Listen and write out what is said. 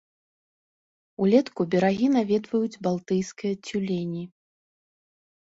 Улетку берагі наведваюць балтыйскія цюлені.